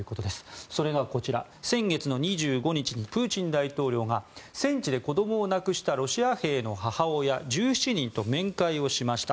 それが、先月２５日にプーチン大統領が戦地で子供を亡くしたロシア兵の母親１７人と面会をしました。